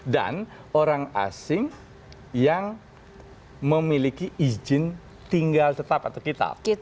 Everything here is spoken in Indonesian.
dan orang asing yang memiliki izin tinggal tetap atau kitab